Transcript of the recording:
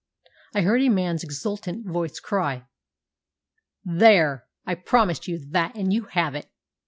I heard a man's exultant voice cry, 'There! I promised you that, and you have it!'